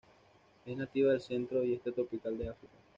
Es nativa del centro y este tropical de África.